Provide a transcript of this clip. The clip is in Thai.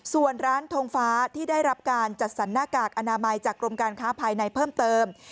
ส่วนร้านทงฟ้าที่ได้รับการจัดสรรหน้ากากอนามัยจากกรมการค้าภายในเพิ่มเติม